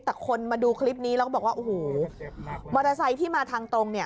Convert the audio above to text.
แต่คนมาดูคลิปนี้แล้วก็บอกว่าโอ้โหมอเตอร์ไซค์ที่มาทางตรงเนี่ย